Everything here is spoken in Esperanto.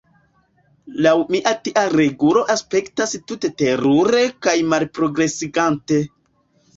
Laŭ mi tia regulo aspektas tute terure kaj malprogresigante.